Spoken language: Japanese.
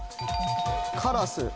カラス。